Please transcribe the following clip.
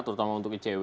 terutama untuk icw